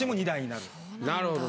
なるほど。